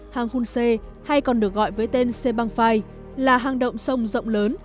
hang khunse hay còn được gọi với tên sê bang phai là hang động sông rộng lớn